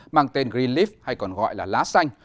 mang tên greenleaf hay còn gọi là lá xanh